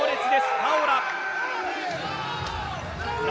ファオラ。